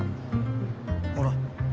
ほら。